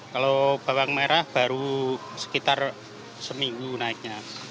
kalau bawang merah baru sekitar seminggu naiknya